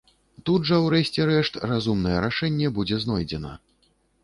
Тут жа ў рэшце рэшт разумнае рашэнне будзе знойдзена.